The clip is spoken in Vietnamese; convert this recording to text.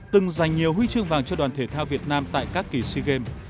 từng giành nhiều huy chương vàng cho đoàn thể thao việt nam tại các kỳ sea games